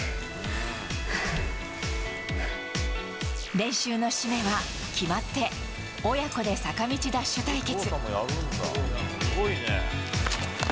練習の締めは、決まって親子で坂道ダッシュ対決。